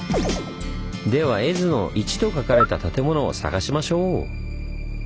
では絵図の「一」と書かれた建物を探しましょう！